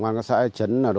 mời các bác s roommate